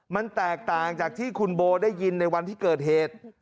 มันแตกต่างจากที่คุณโบได้ยินในวันที่เกิดเหตุ